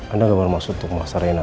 anda gak mau masuk tuh kemasan reina